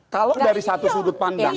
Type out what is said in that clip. kalau dari satu sudut pandang